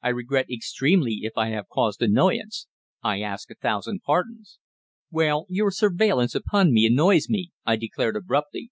I regret extremely if I have caused annoyance. I ask a thousand pardons." "Well, your surveillance upon me annoys me," I declared abruptly.